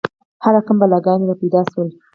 هر رقم بلاګان را پیدا شول.